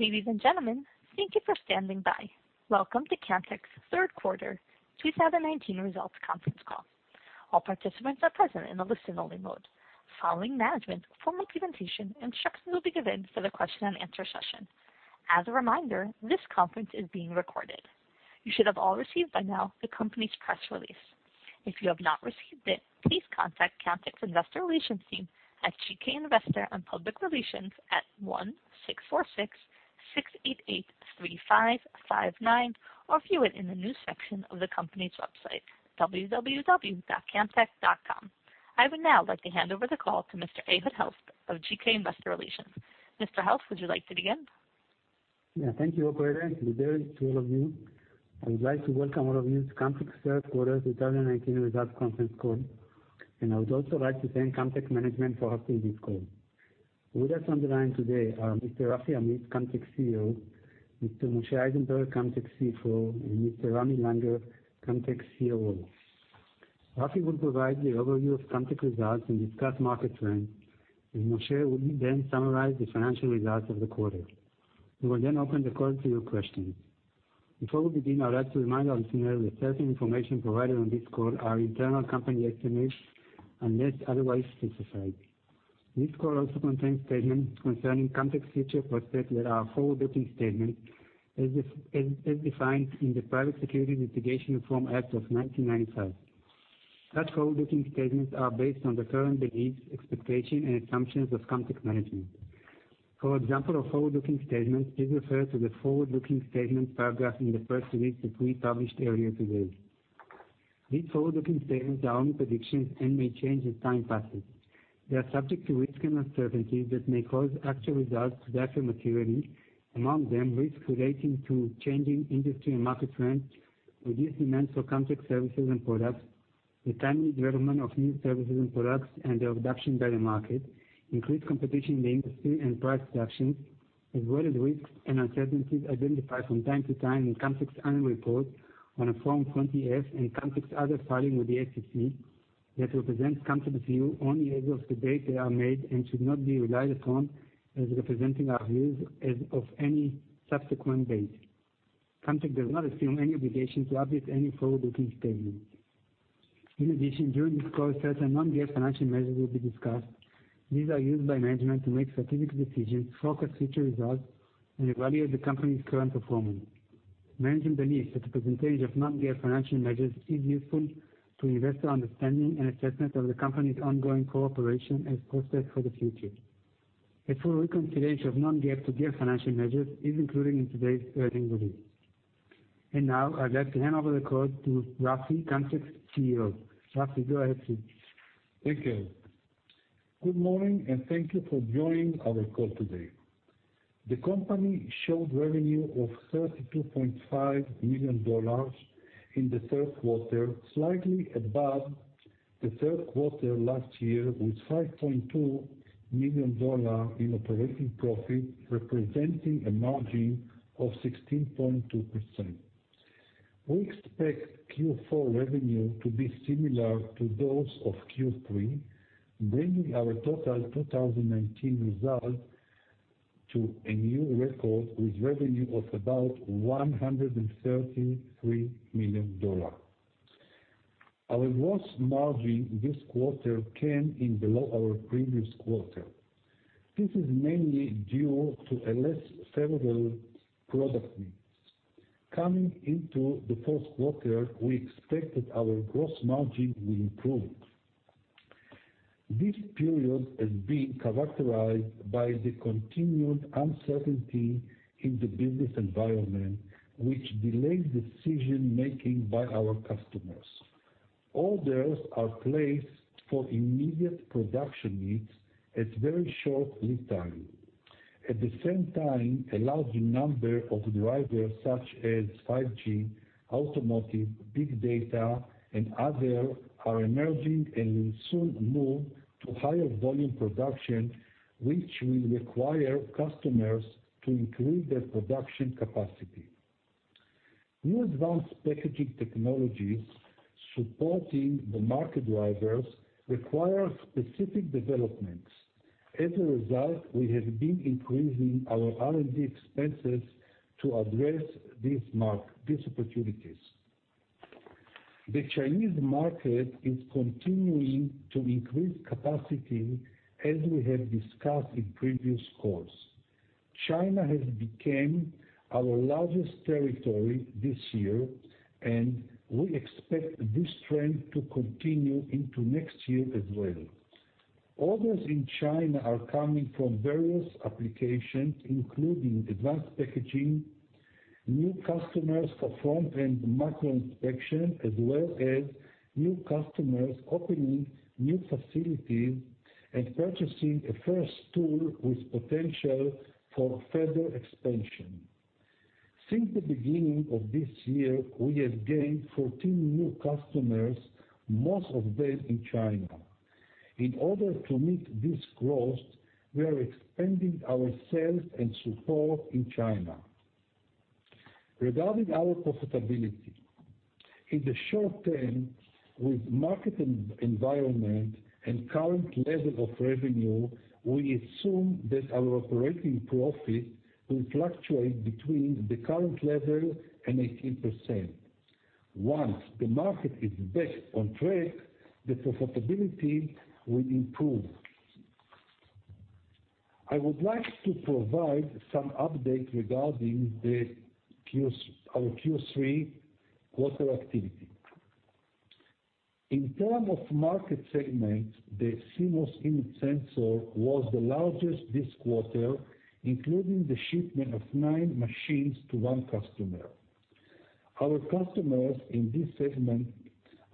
Ladies and gentlemen, thank you for standing by. Welcome to Camtek's third quarter 2019 results conference call. All participants are present in the listen only mode. Following management's formal presentation, instructions will be given for the question and answer session. As a reminder, this conference is being recorded. You should have all received by now the company's press release. If you have not received it, please contact Camtek's investor relations team at GK Investor & Public Relations at 1-646-688-3559, or view it in the news section of the company's website, www.camtek.com. I would now like to hand over the call to Mr. Ehud Helft of GK Investor Relations. Mr. Helft, would you like to begin? Yeah. Thank you, operator. Good day to all of you. I would like to welcome all of you to Camtek's third quarter 2019 results conference call. I would also like to thank Camtek management for hosting this call. With us on the line today are Mr. Rafi Amit, Camtek's CEO, Mr. Moshe Eisenberg, Camtek's CFO, and Mr. Ramy Langer, Camtek's COO. Rafi will provide the overview of Camtek results and discuss market trends. Moshe will then summarize the financial results of the quarter. We will open the call to your questions. Before we begin, I'd like to remind our listeners that certain information provided on this call are internal company estimates unless otherwise specified. This call also contains statements concerning Camtek's future prospects that are forward-looking statements as defined in the Private Securities Litigation Reform Act of 1995. Such forward-looking statements are based on the current beliefs, expectations, and assumptions of Camtek management. For example of forward-looking statements, please refer to the forward-looking statements paragraph in the press release that we published earlier today. These forward-looking statements are only predictions and may change as time passes. They are subject to risks and uncertainties that may cause actual results to differ materially. Among them, risks relating to changing industry and market trends, reduced demands for Camtek's services and products, the timely development of new services and products, and their adoption by the market, increased competition in the industry and price reductions, as well as risks and uncertainties identified from time to time in Camtek's annual report on a Form 20-F and Camtek's other filing with the SEC that represent Camtek's view only as of the date they are made and should not be relied upon as representing our views as of any subsequent date. Camtek does not assume any obligation to update any forward-looking statements. In addition, during this call, certain non-GAAP financial measures will be discussed. These are used by management to make strategic decisions, forecast future results, and evaluate the company's current performance. Management believes that the presentation of non-GAAP financial measures is useful to investor understanding and assessment of the company's ongoing cooperation and prospects for the future. A full reconciliation of non-GAAP to GAAP financial measures is included in today's earnings release. Now I'd like to hand over the call to Rafi, Camtek's CEO. Rafi, go ahead please. Thank you. Good morning, and thank you for joining our call today. The company showed revenue of $32.5 million in the third quarter, slightly above the third quarter last year, with $5.2 million in operating profit, representing a margin of 16.2%. We expect Q4 revenue to be similar to those of Q3, bringing our total 2019 results to a new record with revenue of about $133 million. Our gross margin this quarter came in below our previous quarter. This is mainly due to a less favorable product mix. Coming into the fourth quarter, we expect that our gross margin will improve. This period has been characterized by the continued uncertainty in the business environment, which delays decision-making by our customers. Orders are placed for immediate production needs at very short lead time. At the same time, a large number of drivers such as 5G, automotive, big data, and others are emerging and will soon move to higher volume production, which will require customers to increase their production capacity. New advanced packaging technologies supporting the market drivers require specific developments. As a result, we have been increasing our R&D expenses to address these opportunities. The Chinese market is continuing to increase capacity as we have discussed in previous calls. China has become our largest territory this year, and we expect this trend to continue into next year as well. Orders in China are coming from various applications, including advanced packaging, new customers for front-end micro inspection, as well as new customers opening new facilities and purchasing a first tool with potential for further expansion. Since the beginning of this year, we have gained 14 new customers, most of them in China. In order to meet this growth, we are expanding our sales and support in China. Regarding our profitability, in the short term, with market environment and current level of revenue, we assume that our operating profit will fluctuate between the current level and 18%. Once the market is back on track, the profitability will improve. I would like to provide some update regarding our Q3 quarter activity. In terms of market segment, the CMOS image sensor was the largest this quarter, including the shipment of nine machines to one customer. Our customers in this segment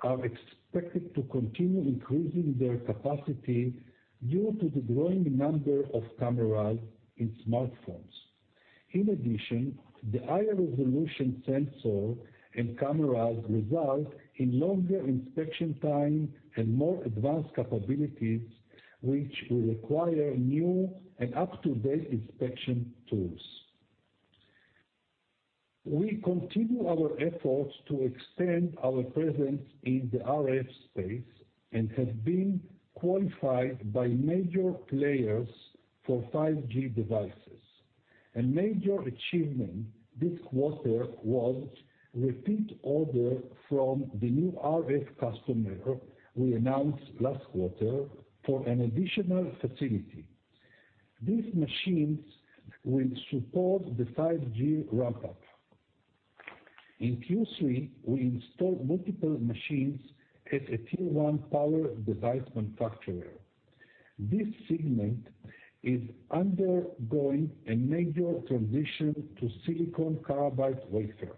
are expected to continue increasing their capacity due to the growing number of cameras in smartphones. In addition, the higher-resolution sensor and cameras result in longer inspection time and more advanced capabilities, which will require new and up-to-date inspection tools. We continue our efforts to extend our presence in the RF space and have been qualified by major players for 5G devices. A major achievement this quarter was repeat order from the new RF customer we announced last quarter for an additional facility. These machines will support the 5G ramp-up. In Q3, we installed multiple machines at a tier 1 power device manufacturer. This segment is undergoing a major transition to silicon carbide wafer.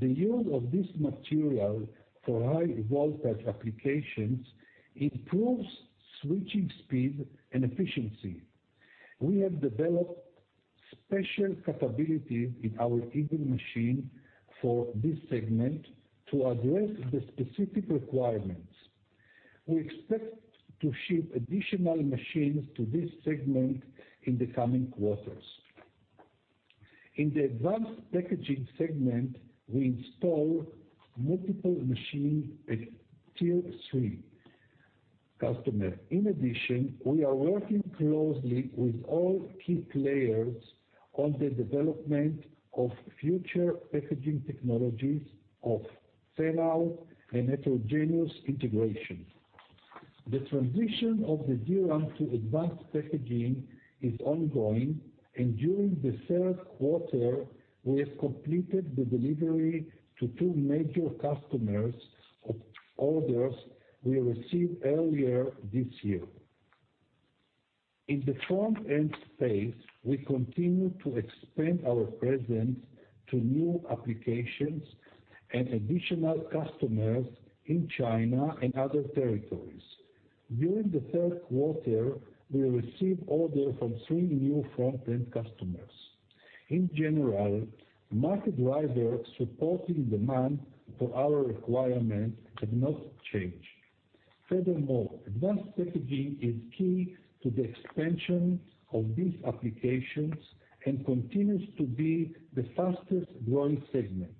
The use of this material for high voltage applications improves switching speed and efficiency. We have developed special capabilities in our Eagle machine for this segment to address the specific requirements. We expect to ship additional machines to this segment in the coming quarters. In the advanced packaging segment, we install multiple machines at tier 3 customer. We are working closely with all key players on the development of future packaging technologies of Fan-Out and heterogeneous integration. The transition of the DRAM to advanced packaging is ongoing, and during the third quarter, we have completed the delivery to two major customers of orders we received earlier this year. In the front-end space, we continue to expand our presence to new applications and additional customers in China and other territories. During the third quarter, we received order from three new front-end customers. In general, market drivers supporting demand for our requirement have not changed. Advanced packaging is key to the expansion of these applications and continues to be the fastest growing segment.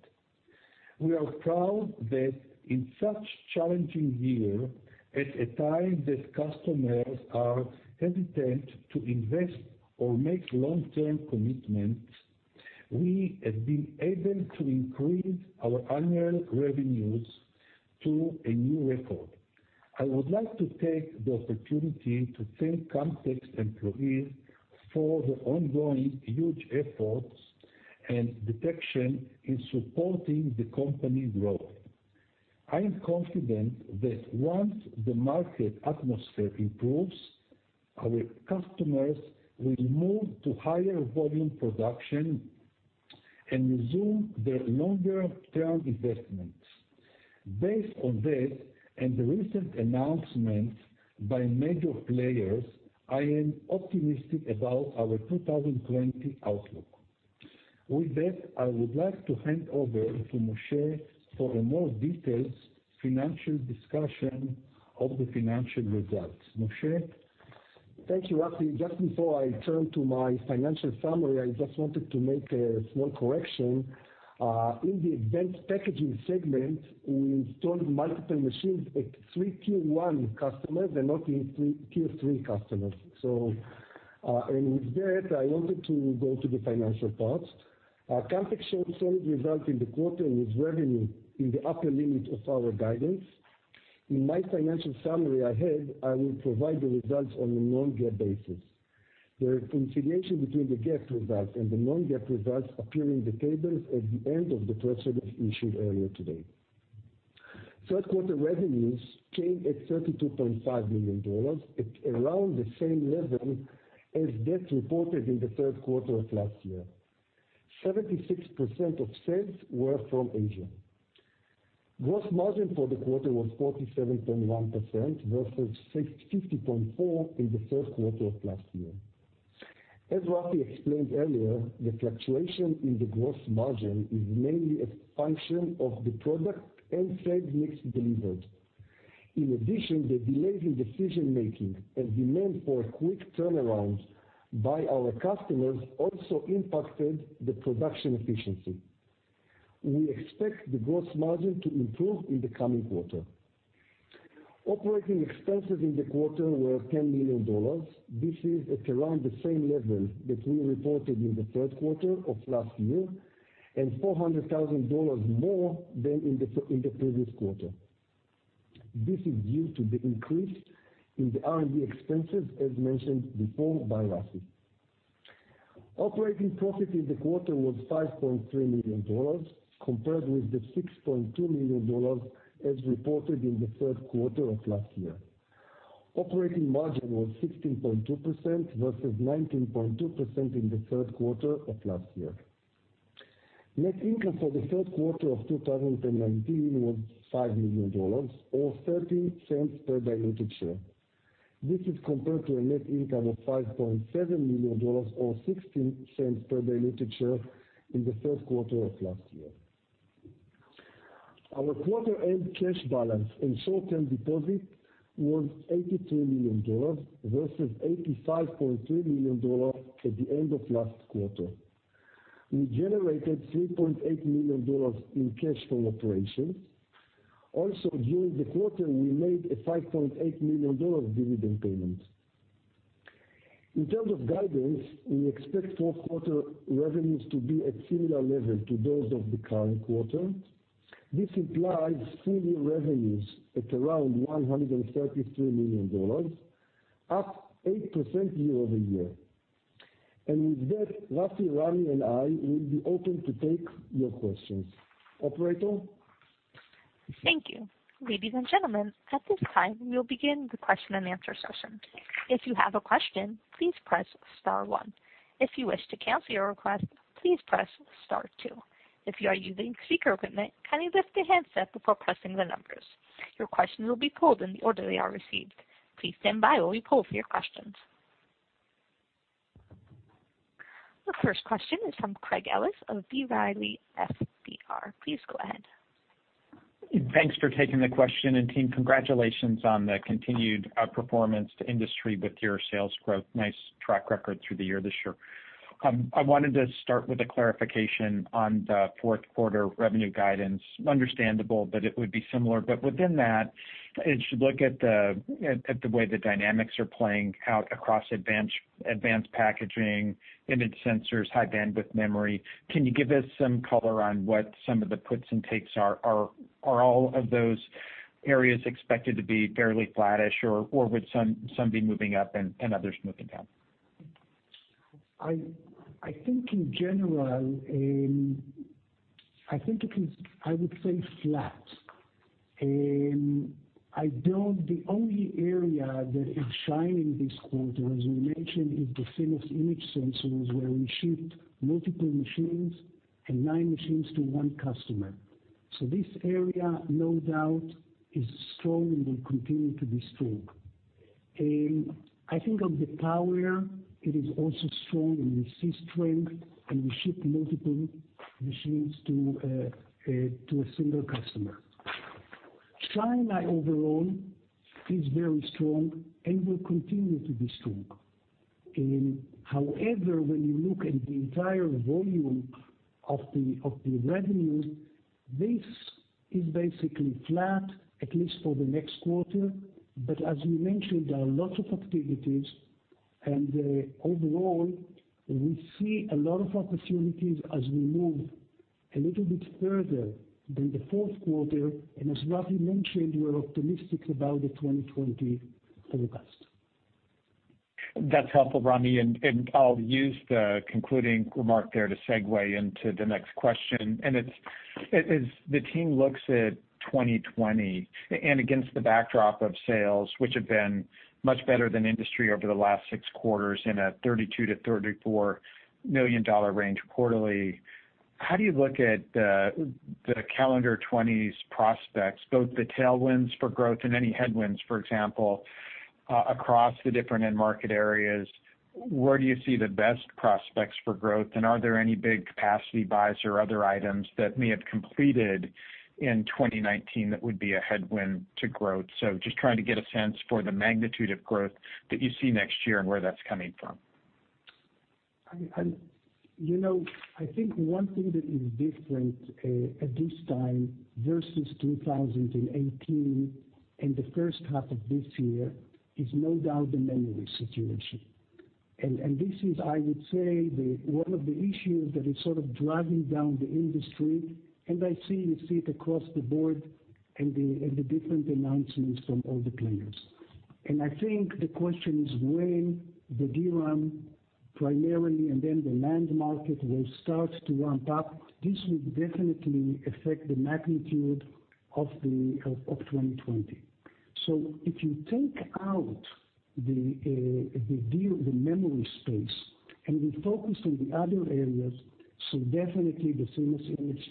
We are proud that in such challenging year, at a time that customers are hesitant to invest or make long-term commitments, we have been able to increase our annual revenues to a new record. I would like to take the opportunity to thank Camtek's employees for their ongoing huge efforts and dedication in supporting the company growth. I am confident that once the market atmosphere improves, our customers will move to higher volume production and resume their longer-term investments. Based on that and the recent announcements by major players, I am optimistic about our 2020 outlook. With that, I would like to hand over to Moshe for a more detailed financial discussion of the financial results. Moshe? Thank you, Rafi. Just before I turn to my financial summary, I just wanted to make a small correction. In the advanced packaging segment, we installed multiple machines at 3 tier 1 customers and not in tier 3 customers. With that, I wanted to go to the financial part. Camtek showed strong results in the quarter with revenue in the upper limit of our guidance. In my financial summary ahead, I will provide the results on a non-GAAP basis. The reconciliation between the GAAP results and the non-GAAP results appear in the tables at the end of the press release issued earlier today. Third quarter revenues came at $32.5 million, at around the same level as that reported in the third quarter of last year. 76% of sales were from Asia. Gross margin for the quarter was 47.1%, versus 50.4% in the third quarter of last year. As Rafi explained earlier, the fluctuation in the gross margin is mainly a function of the product and segment delivered. In addition, the delays in decision-making and demand for a quick turnaround by our customers also impacted the production efficiency. We expect the gross margin to improve in the coming quarter. Operating expenses in the quarter were $10 million. This is at around the same level that we reported in the third quarter of last year, and $400,000 more than in the previous quarter. This is due to the increase in the R&D expenses, as mentioned before by Rafi. Operating profit in the quarter was $5.3 million, compared with the $6.2 million as reported in the third quarter of last year. Operating margin was 16.2% versus 19.2% in the third quarter of last year. Net income for the third quarter of 2019 was $5 million, or $0.13 per diluted share. This is compared to a net income of $5.7 million or $0.16 per diluted share in the third quarter of last year. Our quarter-end cash balance and short-term deposit was $83 million versus $85.3 million at the end of last quarter. We generated $3.8 million in cash from operations. Also, during the quarter, we made a $5.8 million dividend payment. In terms of guidance, we expect fourth quarter revenues to be at similar level to those of the current quarter. This implies full-year revenues at around $133 million, up 8% year-over-year. With that, Rafi, Ramy and I will be open to take your questions. Operator? Thank you. Ladies and gentlemen, at this time, we'll begin the question and answer session. If you have a question, please press star one. If you wish to cancel your request, please press star two. If you are using speaker equipment, kindly lift the handset before pressing the numbers. Your questions will be pulled in the order they are received. Please stand by while we pull for your questions. The first question is from Craig Ellis of B. Riley FBR. Please go ahead. Thanks for taking the question, team, congratulations on the continued outperformance to industry with your sales growth. Nice track record through the year this year. I wanted to start with a clarification on the fourth quarter revenue guidance. Understandable that it would be similar, but within that, as you look at the way the dynamics are playing out across advanced packaging, image sensors, high bandwidth memory, can you give us some color on what some of the puts and takes are? Are all of those areas expected to be fairly flattish or would some be moving up and others moving down? I think in general, I would say flat. The only area that is shining this quarter, as we mentioned, is the CMOS image sensors, where we shipped multiple machines and 9 machines to one customer. This area, no doubt, is strong and will continue to be strong. I think of the power, it is also strong, and we see strength, and we ship multiple machines to a single customer. China overall is very strong and will continue to be strong. When you look at the entire volume of the revenues, this is basically flat, at least for the next quarter. As we mentioned, there are lots of activities, and overall, we see a lot of opportunities as we move a little bit further than the fourth quarter. As Rafi mentioned, we are optimistic about the 2020 forecast. That's helpful, Roni, I'll use the concluding remark there to segue into the next question. As the team looks at 2020 and against the backdrop of sales, which have been much better than industry over the last six quarters in a $32 million-$34 million range quarterly, how do you look at the calendar '20s prospects, both the tailwinds for growth and any headwinds, for example, across the different end market areas? Where do you see the best prospects for growth, and are there any big capacity buys or other items that may have completed in 2019 that would be a headwind to growth? Just trying to get a sense for the magnitude of growth that you see next year and where that's coming from. I think one thing that is different, at this time versus 2018 and the first half of this year, is no doubt the memory situation. This is, I would say, one of the issues that is sort of dragging down the industry, and I see it across the board and the different announcements from all the players. I think the question is when the DRAM primarily, and then the NAND market, will start to ramp up. This will definitely affect the magnitude of 2020. If you take out the memory space and we focus on the other areas, definitely the CMOS image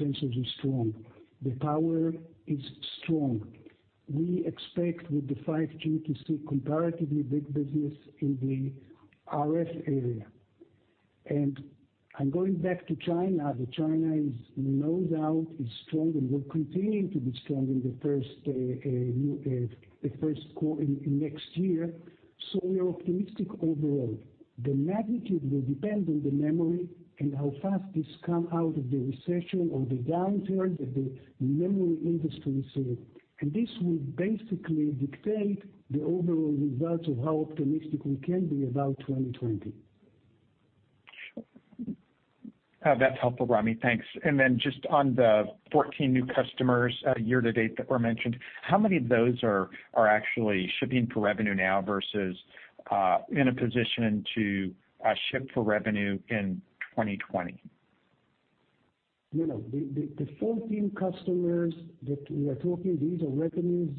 sensors is strong. The power is strong. We expect with the 5G to see comparatively big business in the RF area. I'm going back to China, that China is no doubt is strong and will continue to be strong in the first quarter in next year. We are optimistic overall. The magnitude will depend on the memory and how fast this come out of the recession or the downturn that the memory industry see. This will basically dictate the overall results of how optimistic we can be about 2020. That's helpful, Ramy. Thanks. Just on the 14 new customers year to date that were mentioned, how many of those are actually shipping for revenue now versus in a position to ship for revenue in 2020? No. The 14 customers that we are talking, these are revenues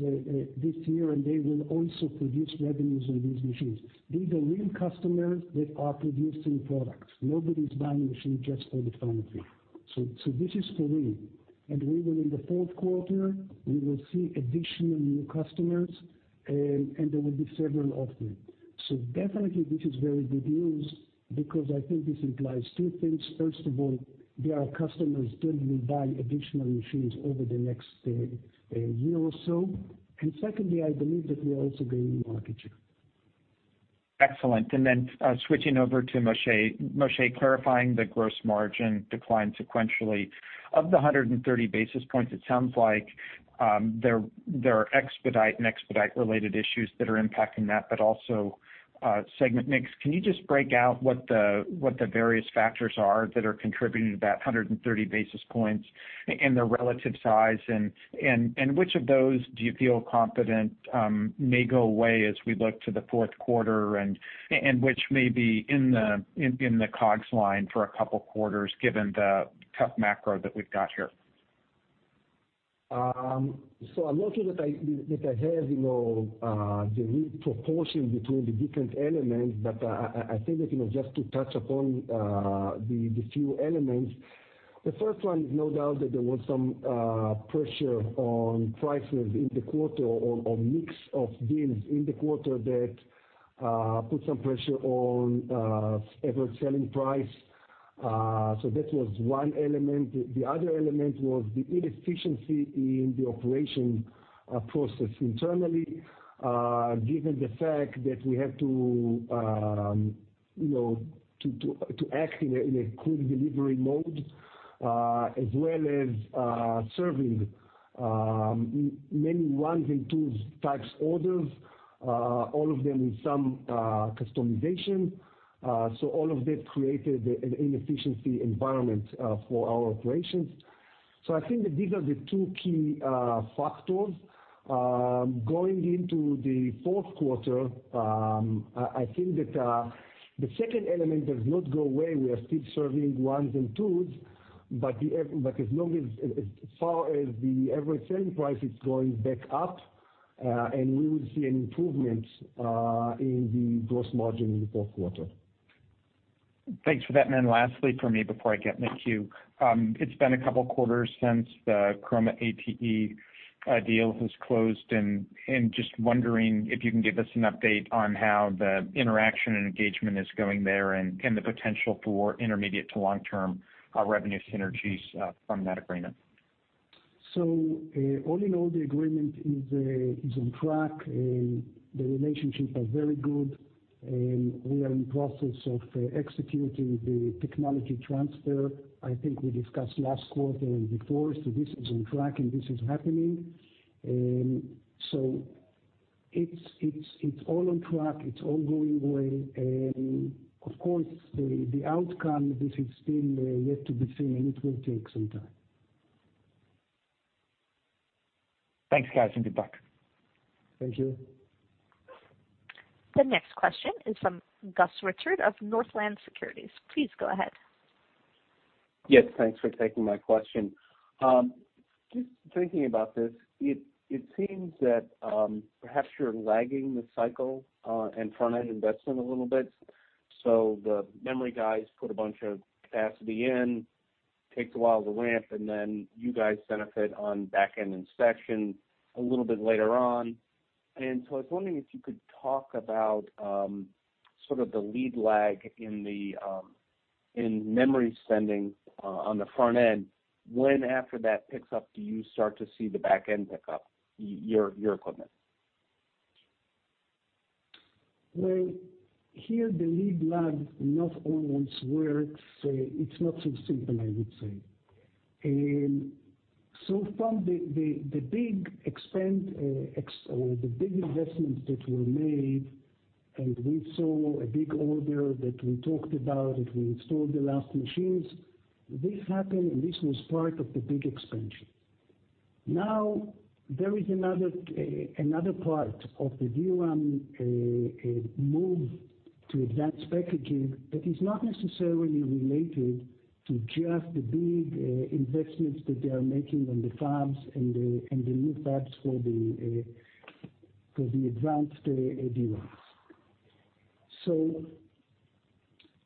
this year. They will also produce revenues on these machines. These are real customers that are producing products. Nobody's buying machines just for the fun of it. This is for real. Even in the fourth quarter, we will see additional new customers. There will be several of them. Definitely this is very good news because I think this implies two things. First of all, they are customers that will buy additional machines over the next year or so. Secondly, I believe that we are also gaining market share. Excellent. Switching over to Moshe. Moshe, clarifying the gross margin decline sequentially. Of the 130 basis points, it sounds like there are expedite and expedite-related issues that are impacting that, but also segment mix. Can you just break out what the various factors are that are contributing to that 130 basis points and their relative size, and which of those do you feel confident may go away as we look to the fourth quarter, and which may be in the COGS line for a couple of quarters, given the tough macro that we've got here? I'm not sure that I have the real proportion between the different elements. I think that just to touch upon the few elements. The first one is no doubt that there was some pressure on pricing in the quarter or mix of deals in the quarter that put some pressure on average selling price. That was one element. The other element was the inefficiency in the operation process internally, given the fact that we have to act in a quick delivery mode, as well as serving many ones and twos types orders, all of them with some customization. All of that created an inefficiency environment for our operations. I think that these are the two key factors. Going into the fourth quarter, I think that the second element does not go away. We are still serving ones and twos, but as far as the average selling price is going back up, and we will see an improvement in the gross margin in the fourth quarter. Thanks for that. Lastly for me before I get in the queue. It's been a couple of quarters since the Chroma ATE deal has closed, and just wondering if you can give us an update on how the interaction and engagement is going there and the potential for intermediate to long-term revenue synergies from that agreement. All in all, the agreement is on track. The relationship are very good, and we are in the process of executing the technology transfer, I think we discussed last quarter and before. This is on track, and this is happening. It's all on track. It's all going away. Of course, the outcome of this is still yet to be seen, and it will take some time. Thanks, guys, and good luck. Thank you. The next question is from Gus Richard of Northland Securities. Please go ahead. Yes, thanks for taking my question. Just thinking about this, it seems that perhaps you're lagging the cycle and front-end investment a little bit. The memory guys put a bunch of capacity in, takes a while to ramp, and then you guys benefit on back-end inspection a little bit later on. I was wondering if you could talk about sort of the lead lag in memory spending on the front end. When after that picks up, do you start to see the back end pick up your equipment? Well, here the lead lag not always works. It's not so simple, I would say. From the big investment that were made, and we saw a big order that we talked about, that we installed the last machines. This happened, and this was part of the big expansion. There is another part of the DRAM move to advanced packaging that is not necessarily related to just the big investments that they are making on the fabs and the new fabs for the advanced DRAMs.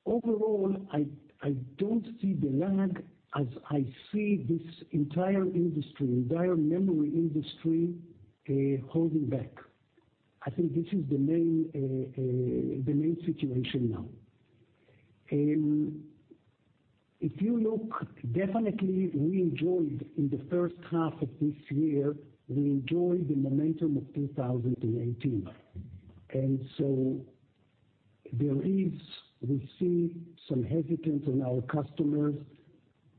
Overall, I don't see the lag as I see this entire industry, entire memory industry, holding back. I think this is the main situation now. If you look, definitely in the first half of this year, we enjoyed the momentum of 2018. We see some hesitance in our customers,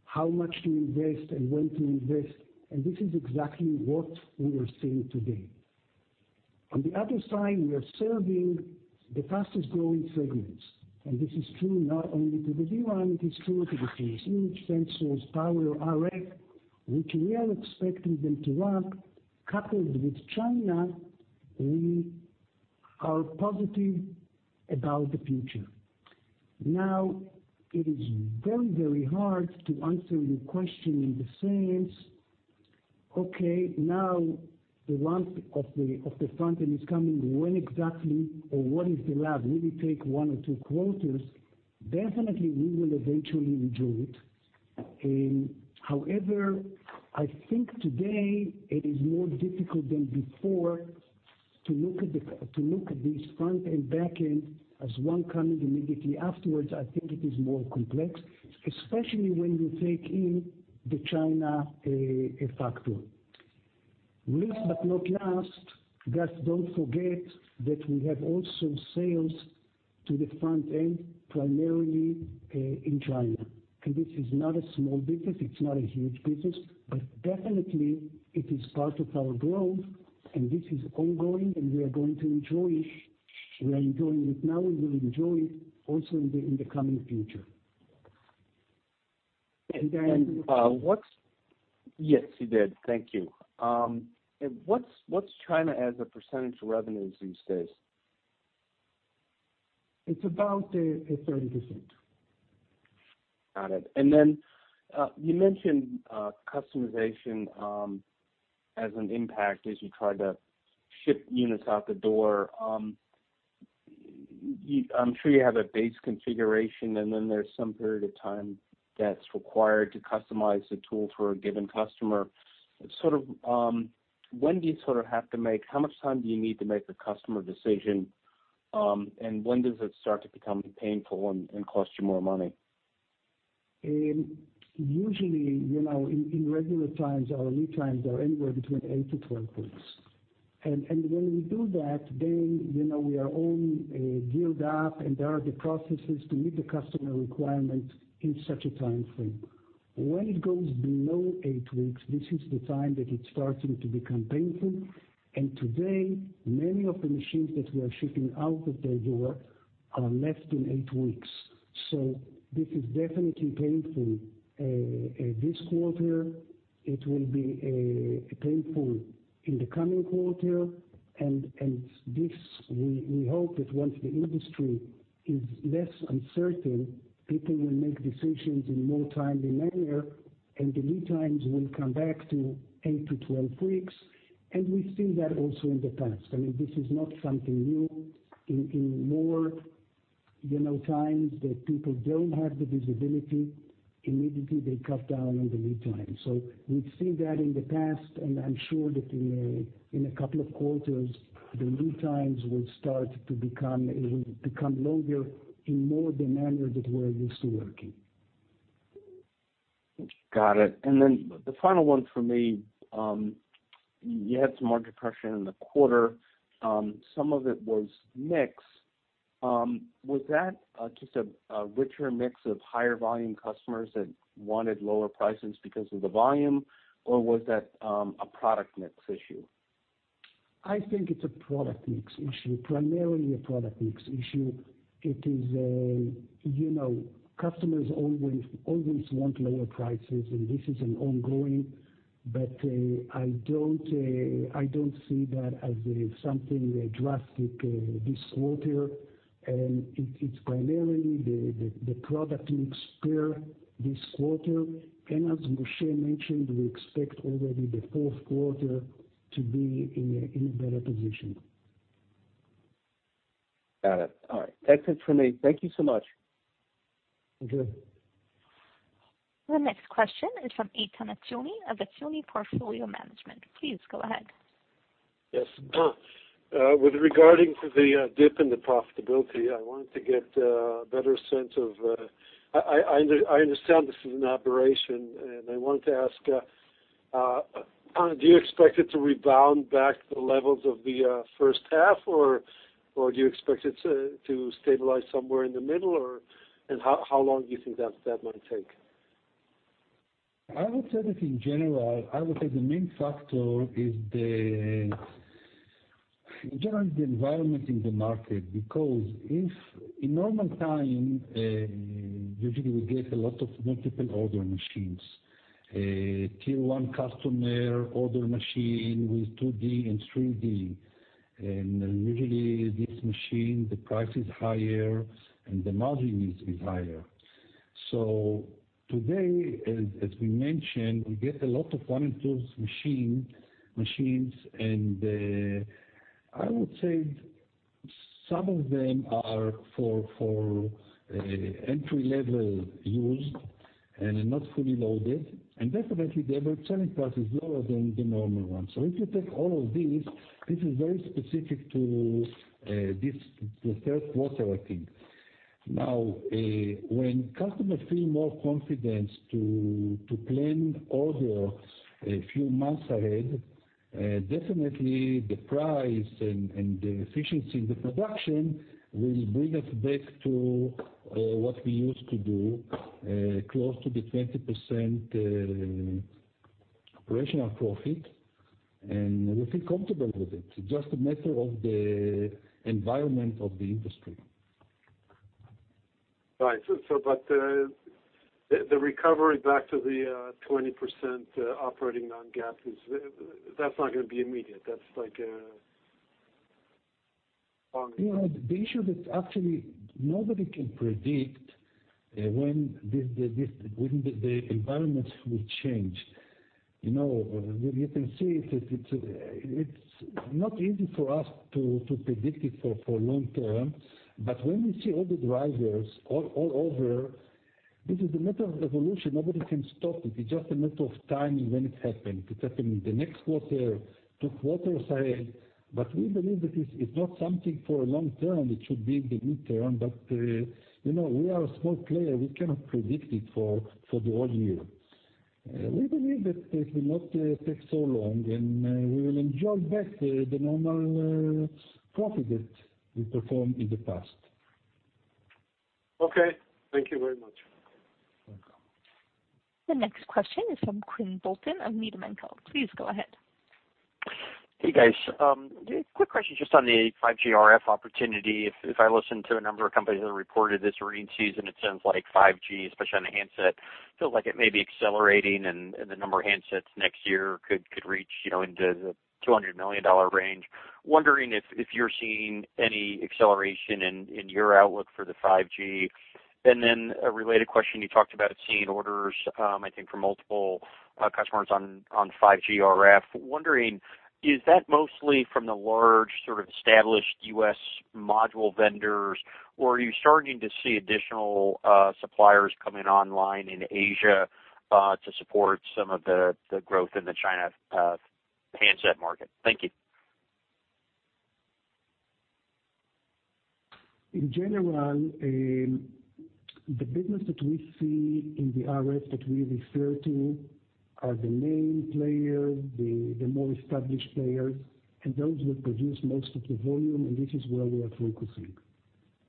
how much to invest and when to invest, and this is exactly what we are seeing today. On the other side, we are serving the fastest-growing segments, and this is true not only to the D1, it is true to the image sensors, power, RF, which we are expecting them to ramp. Coupled with China, we are positive about the future. Now, it is very, very hard to answer your question in the sense, okay, now the ramp of the front end is coming, when exactly or what is the lag? Will it take one or two quarters? Definitely, we will eventually enjoy it. However, I think today it is more difficult than before to look at this front-end, back-end as one coming immediately afterwards. I think it is more complex, especially when you take in the China factor. Last but not least, Gus, don't forget that we have also sales to the front end, primarily in China. This is not a small business, it's not a huge business, but definitely it is part of our growth, and this is ongoing, and we are going to enjoy. We are enjoying it now, and we'll enjoy it also in the coming future. Yes, you did. Thank you. What's China as a % of revenues these days? It's about 30%. Got it. You mentioned customization, as an impact as you try to ship units out the door. I'm sure you have a base configuration, and then there's some period of time that's required to customize the tool for a given customer. How much time do you need to make a customer decision? When does it start to become painful and cost you more money? Usually, in regular times, our lead times are anywhere between eight to 12 weeks. When we do that, then we are all geared up, and there are the processes to meet the customer requirement in such a time frame. When it goes below eight weeks, this is the time that it's starting to become painful. Today, many of the machines that we are shipping out of their door are less than eight weeks. This is definitely painful this quarter. It will be painful in the coming quarter. This, we hope that once the industry is less uncertain, people will make decisions in more timely manner, and the lead times will come back to eight to 12 weeks. We've seen that also in the past. This is not something new. In more times that people don't have the visibility, immediately they cut down on the lead time. We've seen that in the past, and I'm sure that in a couple of quarters, the lead times will start to become longer in more the manner that we're used to working. Got it. The final one for me. You had some margin pressure in the quarter. Some of it was mix. Was that just a richer mix of higher volume customers that wanted lower prices because of the volume, or was that a product mix issue? I think it's a product mix issue, primarily a product mix issue. Customers always want lower prices, and this is an ongoing, but I don't see that as something drastic this quarter. It's primarily the product mix here this quarter. As Moshe mentioned, we expect already the fourth quarter to be in a better position. Got it. All right. That's it for me. Thank you so much. Okay. The next question is from Eitan Atzmon of Atzmon Portfolio Management. Please go ahead. Yes. With regard to the dip in the profitability, I understand this is an aberration. I wanted to ask, do you expect it to rebound back to the levels of the first half, or do you expect it to stabilize somewhere in the middle, and how long do you think that might take? I would say that in general, I would say the main factor is the general environment in the market. If in normal time, usually we get a lot of multiple order machines. Tier 1 customer order machine with 2D and 3D, and usually this machine, the price is higher and the margin is higher. Today, as we mentioned, we get a lot of one and two machines. Some of them are for entry-level use and are not fully loaded, and definitely their selling price is lower than the normal one. If you take all of these, this is very specific to the third quarter, I think. Now, when customers feel more confidence to plan orders a few months ahead, definitely the price and the efficiency in the production will bring us back to what we used to do, close to the 20% operational profit, and we feel comfortable with it. It's just a matter of the environment of the industry. Right. The recovery back to the 20% operating on GAAP, that's not going to be immediate. The issue that actually nobody can predict when the environment will change. You can see it's not easy for us to predict it for long-term, but when we see all the drivers all over, this is a matter of evolution. Nobody can stop it. It's just a matter of time when it happens. It happens the next quarter, two quarters ahead, but we believe that it's not something for a long term. It should be the midterm. We are a small player. We cannot predict it for the whole year. We believe that it will not take so long, and we will enjoy back the normal profit that we performed in the past. Okay. Thank you very much. Welcome. The next question is from Quinn Bolton of Needham Co. Please go ahead. Hey, guys. Quick question just on the 5G RF opportunity. If I listen to a number of companies that have reported this earnings season, it sounds like 5G, especially on the handset, feels like it may be accelerating and the number of handsets next year could reach into the $200 million range. Wondering if you're seeing any acceleration in your outlook for the 5G. A related question, you talked about seeing orders, I think, from multiple customers on 5G RF. Wondering, is that mostly from the large, established U.S. module vendors, or are you starting to see additional suppliers coming online in Asia to support some of the growth in the China handset market? Thank you. In general, the business that we see in the RF that we refer to are the main players, the more established players, and those that produce most of the volume, and this is where we are focusing.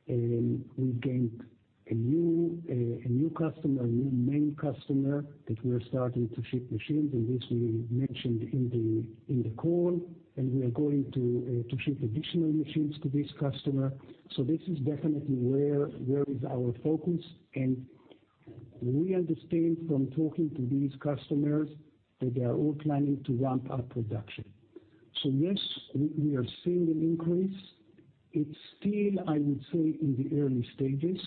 We've gained a new customer, a new main customer that we are starting to ship machines. This we mentioned in the call. We are going to ship additional machines to this customer. This is definitely where is our focus, and we understand from talking to these customers that they are all planning to ramp up production. Yes, we are seeing an increase. It's still, I would say, in the early stages,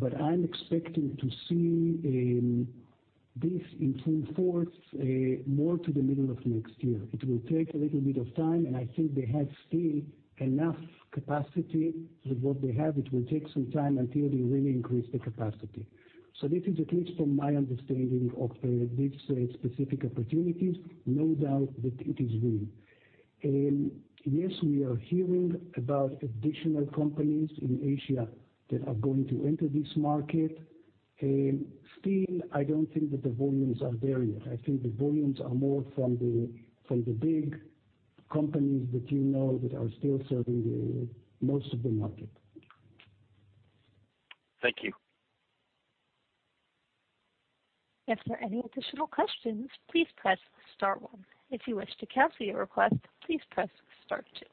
but I'm expecting to see this into fourth, more to the middle of next year. It will take a little bit of time, and I think they have still enough capacity with what they have. It will take some time until they really increase the capacity. This is at least from my understanding of these specific opportunities. No doubt that it is real. Yes, we are hearing about additional companies in Asia that are going to enter this market. I don't think that the volumes are there yet. I think the volumes are more from the big companies that you know that are still serving the most of the market. Thank you. If there are any additional questions, please press star one. If you wish to cancel your request, please press star two.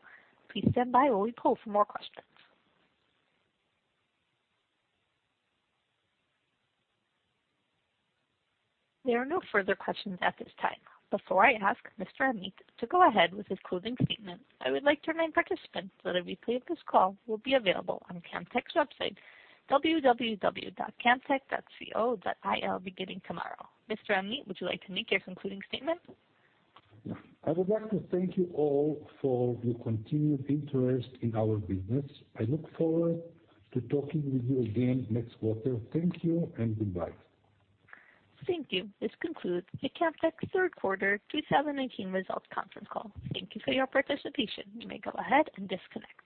Please stand by while we poll for more questions. There are no further questions at this time. Before I ask Mr. Amit to go ahead with his closing statement, I would like to remind participants that a replay of this call will be available on Camtek's website, www.camtek.co.il, beginning tomorrow. Mr. Amit, would you like to make your concluding statement? I would like to thank you all for your continued interest in our business. I look forward to talking with you again next quarter. Thank you and goodbye. Thank you. This concludes the Camtek third quarter 2019 results conference call. Thank you for your participation. You may go ahead and disconnect.